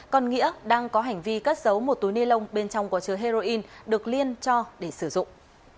còn nghĩa đang có hành vi cất giấu một túi ni lông bên trong có chứa heroin được liên cho để sử dụng